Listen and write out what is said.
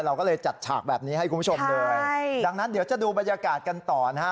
เราก็เลยจัดฉากแบบนี้ให้คุณผู้ชมเลยใช่ดังนั้นเดี๋ยวจะดูบรรยากาศกันต่อนะฮะ